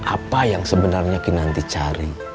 apa yang sebenarnya kinanti cari